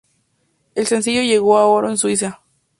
El sencillo llegó a oro en Suecia.